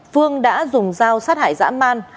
phương đã dùng dao xác hại giã man